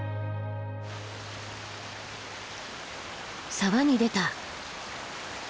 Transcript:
沢に出た。